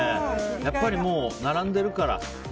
やっぱりもう並んでるから。